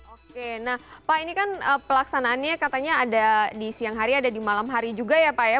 oke nah pak ini kan pelaksanaannya katanya ada di siang hari ada di malam hari juga ya pak ya